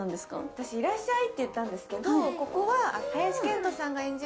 私「いらっしゃい」って言ったんですけどここは。